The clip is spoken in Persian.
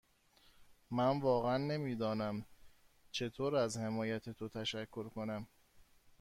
من واقعا نمی دانم چطور از حمایت تو تشکر کنم.